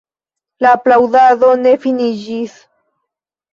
La aplaŭdado ne finiĝis.